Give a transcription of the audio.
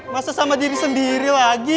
masa sama diri sendiri lagi